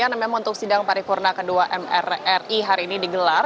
karena memang untuk sidang paripurna ke dua mri hari ini digelar